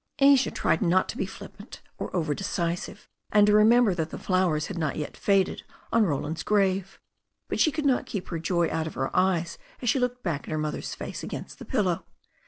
Asia tried not to be flippant or over decisive, and to re member that the flowers had not yet faded on Rolaad'$ grave. But she could not keep her joy out of her eyei as she looked back at her mother's face against the pillow.